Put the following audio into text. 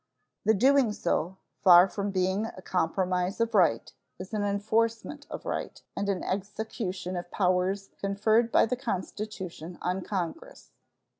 The doing so, far from being a compromise of right, is an enforcement of right and an execution of powers conferred by the Constitution on Congress.